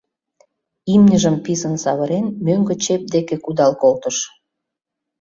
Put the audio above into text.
Имньыжым писын савырен, мӧҥгӧ чеп деке кудал колтыш.